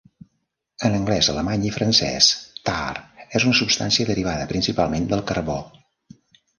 En anglès, alemany i francès, "tar" és una substància derivada principalment del carbó.